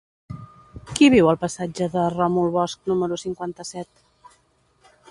Qui viu al passatge de Ròmul Bosch número cinquanta-set?